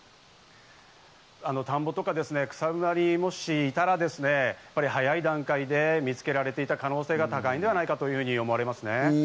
田んぼとか草むらにいたらですね、早い段階で見つけられていた可能性が高いんじゃないかと思われますね。